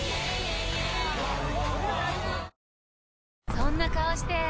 そんな顔して！